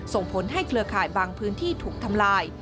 ส่งผลให้เครือข่ายบางพื้นที่ถูกทำลาย